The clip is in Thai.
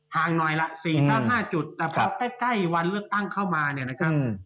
งหน่อยละ๔๕จุดแต่พอใกล้วันเลือกตั้งเข้ามาเนี่ยนะครับ